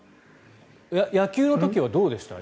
野球の時はどうでした？